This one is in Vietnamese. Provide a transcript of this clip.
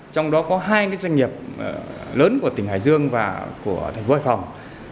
trong đó có hai doanh nghiệp lớn của tỉnh hải dương và của thành phố hải phòng